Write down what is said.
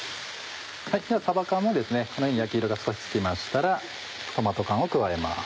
さば缶もこのように焼き色が少しつきましたらトマト缶を加えます。